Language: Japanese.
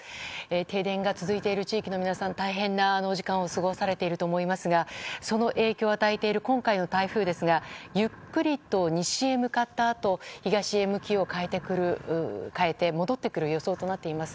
停電が続いている地域の皆さん大変なお時間を過ごされていると思いますがその影響を与えている今回の台風ですがゆっくりと西へ向かったあと東へ向きを変えて戻ってくる予想となっています。